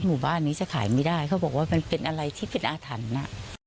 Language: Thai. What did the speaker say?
หมู่บ้านนี้จะขายไม่ได้เขาบอกว่ามันเป็นอะไรที่เป็นอาถรรพ์น่ะ